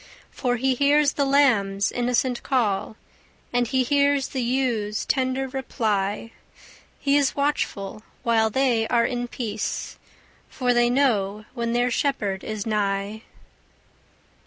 For he hears the lambs' innocent call, And he hears the ewes' tender reply; He is watchful while they are in peace, For they know when their shepherd is nigh.